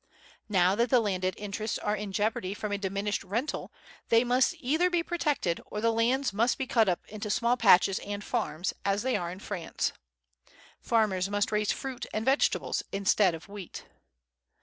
Now that the landed interests are in jeopardy from a diminished rental, they must either be protected, or the lands must be cut up into small patches and farms, as they are in France. Farmers must raise fruit and vegetables instead of wheat.